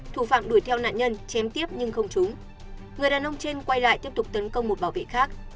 thủ phạm đuổi theo nạn nhân chém tiếp nhưng không trúng người đàn ông trên quay lại tiếp tục tấn công một bảo vệ khác